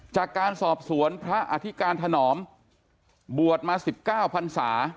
จากการสอบสวนพระอธิการถนอมบวชมา๑๙พันศา